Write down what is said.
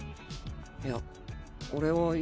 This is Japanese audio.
いや俺はい。